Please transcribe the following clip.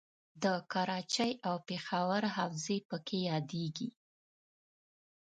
د کراچۍ او پېښور حوزې پکې یادیږي.